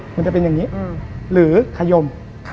มันจะเป็นอย่างนี้หรือขยม